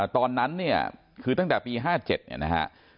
ตอนนั้นเนี่ยคือตั้งแต่ปี๕๗เนี่ยนะฮะ